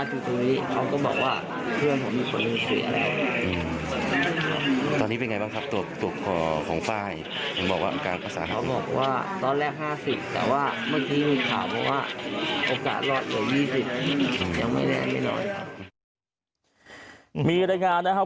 แต่ว่าเมื่อนี้มีข่าวว่าโอกาสรอดเฉยยี่สิบมียังไม่